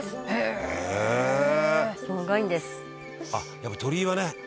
「やっぱ鳥居はね